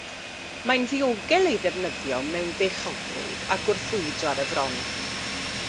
Mae'n ddiogel ei ddefnyddio mewn beichiogrwydd ac wrth fwydo ar y fron.